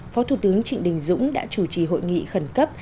phó thủ tướng trịnh đình dũng đã chủ trì hội nghị khẩn cấp